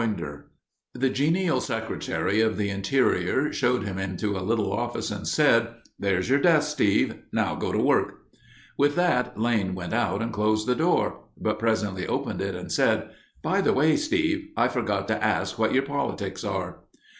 LeConte_ Devils Postpile, Excluded from Yosemite in 1905] The genial Secretary of the Interior showed him into a little office and said, "There's your desk, Steve; now go to work." With that Lane went out and closed the door, but presently opened it and said, "By the way, Steve, I forgot to ask what your politics are."